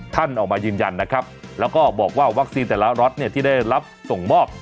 ท่านออกมายืนยันนะครับแล้วก็บอกว่าวัคซีนแต่ละล็อตเนี่ยที่ได้รับส่งมอบ